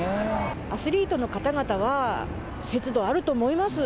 アスリートの方々は、節度あると思います。